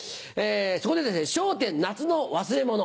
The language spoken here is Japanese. そこでですね『笑点』夏の忘れ物。